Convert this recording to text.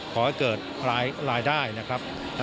ขอให้เกิดรายได้นะครับ